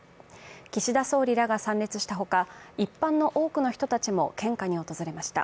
岸田総理らが参列した他、一般の多くの人たちも献花に訪れました。